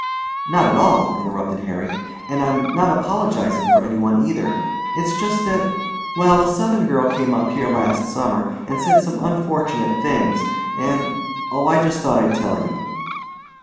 "Not at all," interrupted Harry, "and I'm not apologizing for any one either. It's just that well, a Southern girl came up here last summer and said some unfortunate things, and oh, I just thought I'd tell you."